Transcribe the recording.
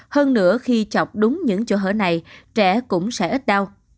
hơn nữa khi chọc đúng những chỗ hở này trẻ cũng sẽ ít đau